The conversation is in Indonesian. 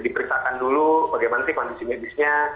diperiksakan dulu bagaimana sih kondisi medisnya